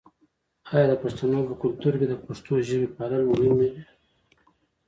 آیا د پښتنو په کلتور کې د پښتو ژبې پالل مهم نه دي؟